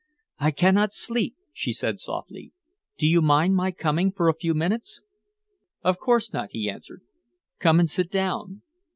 "I cannot sleep," she said softly. "Do you mind my coming for a few minutes?" "Of course not," he answered. "Come and sit down."